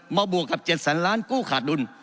บวกกับ๗แสนล้านกู้ขาดดุล